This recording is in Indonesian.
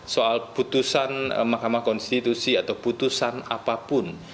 soal putusan mahkamah konstitusi atau putusan apapun